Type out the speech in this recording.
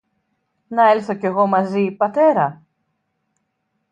Να έλθω κι εγώ μαζί, Πατέρα;